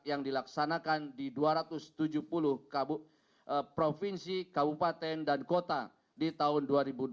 yang dilaksanakan di dua ratus tujuh puluh provinsi kabupaten dan kota di tahun dua ribu dua puluh